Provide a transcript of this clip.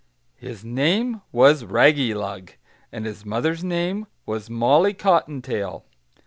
"his name was Raggylug, and his mother's name was Molly Cottontail.